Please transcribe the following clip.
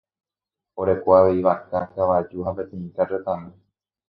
Oreko avei vaka, kavaju ha peteĩ karretami.